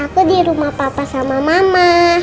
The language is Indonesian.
aku di rumah papa sama mama